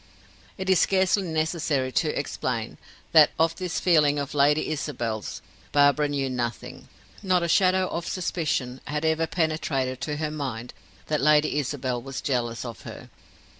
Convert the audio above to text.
It is scarcely necessary to explain, that of this feeling of Lady Isabel's Barbara knew nothing; not a shadow of suspicion had ever penetrated to her mind that Lady Isabel was jealous of her.